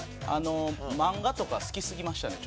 マンガとか好きすぎましたね